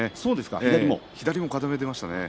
左を固めていました。